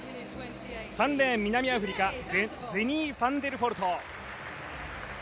３レーン、南アフリカゼニー・ファンデルフォルト。